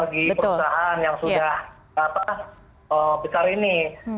bagi perusahaan yang sudah besar ini